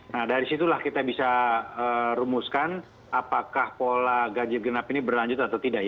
nah dari situlah kita bisa rumuskan apakah pola ganjil genap ini berlanjut atau tidak